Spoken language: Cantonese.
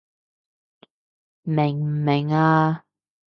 明唔明啊？